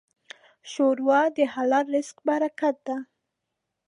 ښوروا د حلال رزق برکت ده.